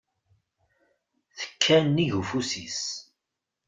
Tekka-nnig ufus-is.